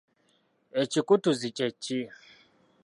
Ekikutuzi kye ki?